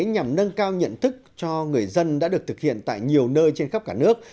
nhằm nâng cao nhận thức cho người dân đã được thực hiện tại nhiều nơi trên khắp cả nước